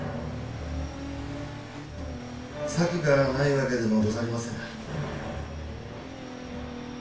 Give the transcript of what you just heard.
策がないわけでもござりませぬ。